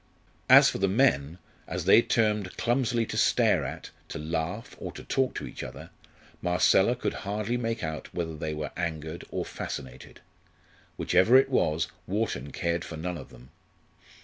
As for the men, as they turned clumsily to stare at, to laugh, or talk to each other, Marcella could hardly make out whether they were angered or fascinated. Whichever it was, Wharton cared for none of them.